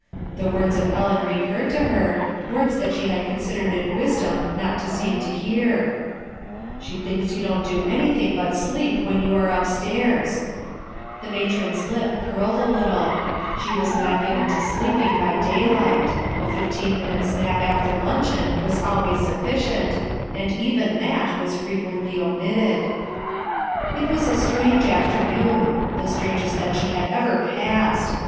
The words of Ellen recurred to her, words that she had considered it wisdom not to seem to hear: — "She thinks you don't do anything but sleep when you are upstairs." The matron's Up ACCIDENT OR DESIGN? 161 curled a little. She was not given to sleeping by daylight a fifteen minutes' nap after luncheon was always sufficient, and even that was fre quently omitted. It was a strange afternoon, the strangest that she had ever passed.